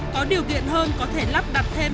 có điều kiện hơn có thể lắp đặt thêm